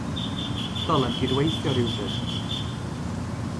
Dylem gydweithio rywbryd.